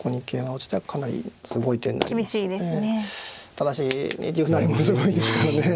ただし２一歩成もすごいですけどね。